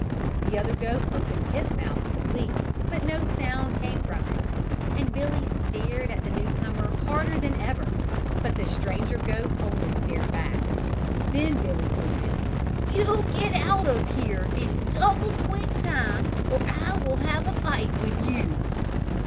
The other goat opened his mouth to bleat but no sound came from it and Billy stared at the new comer harder than ever but the stranger goat only stared back. Then Billy bleated, "You get out of here in double quick time or I will have a fight with you!"